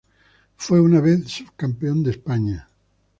Fue una vez subcampeón de España.